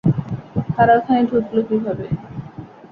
তারা ওখানে ঢুকলো কীভাবে?